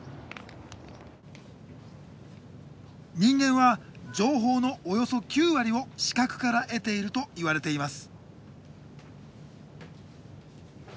人間は情報のおよそ９割を視覚から得ているといわれています。